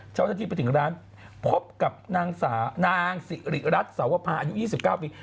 เจ้าหน้าที่ไปถึงร้านพบกับนางสิริรัตนสวภาอายุ๒๙ปี